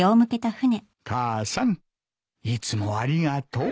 母さんいつもありがとう。